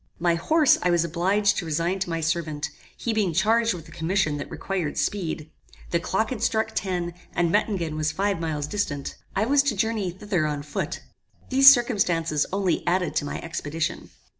My horse I was obliged to resign to my servant, he being charged with a commission that required speed. The clock had struck ten, and Mettingen was five miles distant. I was to Journey thither on foot. These circumstances only added to my expedition.